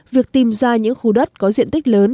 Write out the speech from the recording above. việc tìm ra những khu đất có diện tích lớn